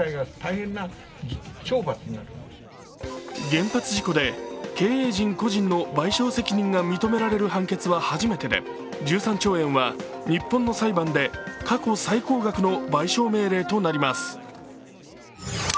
原発事故で経営陣個人の賠償責任が認められる判決は初めてで１３兆円は日本の裁判で過去最高額の賠償命令となります。